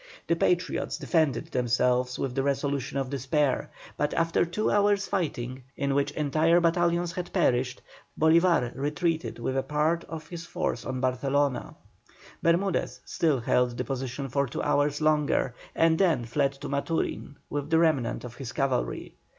The Patriots defended themselves with the resolution of despair, but after two hours fighting, in which entire battalions had perished, Bolívar retreated with a part of his force on Barcelona. Bermudez still held the position for two hours longer, and then fled to Maturin with the remnant of his cavalry.